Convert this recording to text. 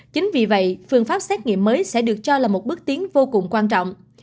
chính vì vậy phương pháp xét nghiệm mới sẽ được cho là một bước tiến vô cùng quan trọng